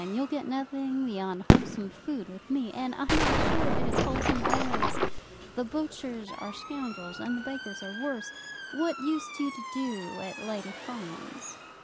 You'll get nothing beyond wholesome food with me. And I'm not sure it is wholesome always. The butchers are scoundrels, and the bakers are worse. What used you to do at Lady Fawn's?"